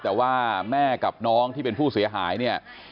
แต่ว่าแม่กับน้องที่เป็นผู้เสียหายเนี่ย